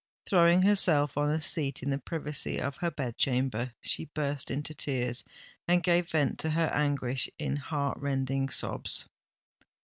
Throwing herself on a seat in the privacy of her bed chamber, she burst into tears, and gave vent to her anguish in heart rending sobs.